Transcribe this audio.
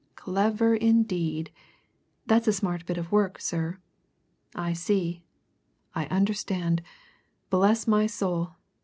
"Clever, indeed! That's a smart bit of work, sir. I see I understand! Bless my soul!